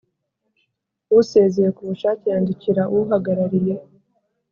Usezeye ku bushake yandikira Uhagarariye